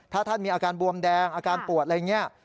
ถ้าท่านมีอาการบวมแดงอาการปวดอะไรอย่างนี้